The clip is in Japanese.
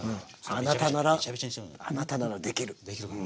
あなたならあなたならできる。